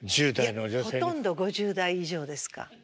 いやほとんど５０代以上ですか。